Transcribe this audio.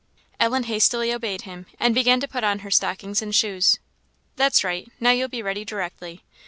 Ellen hastily obeyed him, and began to put on her stockings and shoes. "That's right now you'll be ready directly.